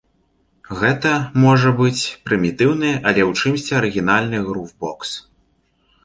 Гэта, можа быць, прымітыўны, але ў чымсьці арыгінальны грув-бокс.